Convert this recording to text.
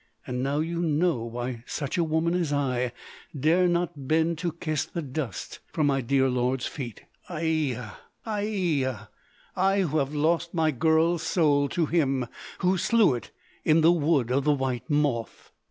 And now you know why such a woman as I dare not bend to kiss the dust from my dear Lord's feet—Aie a! Aie a! I who have lost my girl's soul to him who slew it in the Wood of the White Moth!"